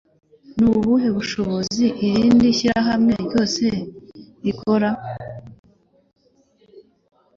Nubuhe ubushobozi irindi shyirahamwe ryose rikora?